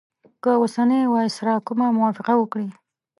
که اوسنی وایسرا کومه موافقه وکړي.